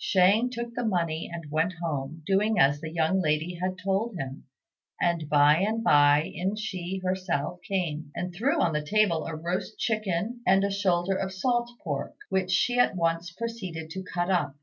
Shang took the money and went home, doing as the young lady had told him; and by and by in she herself came, and threw on the table a roast chicken and a shoulder of salt pork, which she at once proceeded to cut up.